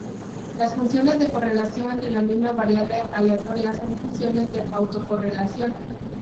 Las funciones de correlación entre la misma variable aleatoria son funciones de autocorrelación.